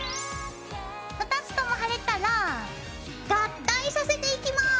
２つとも貼れたら合体させていきます。